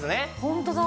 ホントだ。